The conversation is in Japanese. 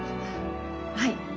はい